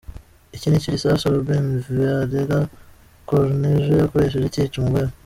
Iki nicyo gisasu Ruben Valera Cornejo yakoresheje cyica umugore we.